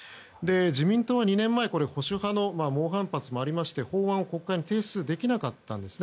自民党は２年前保守派の猛反発もありまして法案を国会に提出できなかったんですね。